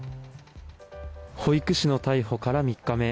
保育士の逮捕から３日目。